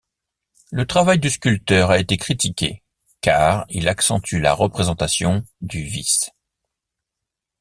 Le travail du sculpteur a été critiqué car il accentue la représentation du vice.